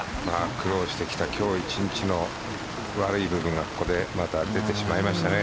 苦労してきた今日１日の悪い部分がここでまた出てしまいましたね。